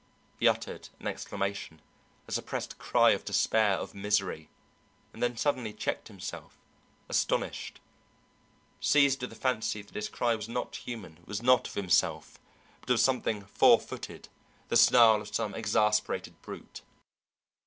He uttered an exclamation, a suppressed cry of despair, of misery, and then suddenly checked himself, astonished, seized with the fancy that his cry was not human, was not of himself, but of something four footed, the snarl of some exasperated brute.